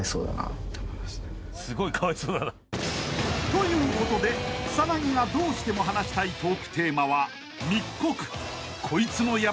［ということで草薙がどうしても話したいトークテーマは］